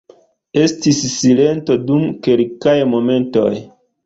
Estis silento dum kelkaj momentoj.